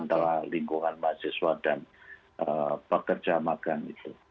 antara lingkungan mahasiswa dan pekerja magang itu